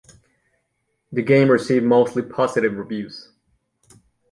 The game received mostly positive reviews.